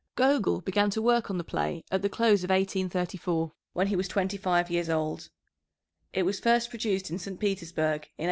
Gogol began to work on the play at the close of 1834, when he was twenty five years old. It was first produced in St. Petersburg, in 1836.